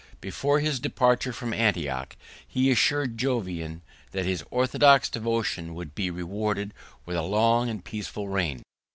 Before his departure from Antioch, he assured Jovian that his orthodox devotion would be rewarded with a long and peaceful reign.